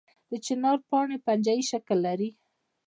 د چنار پاڼې پنجه یي شکل لري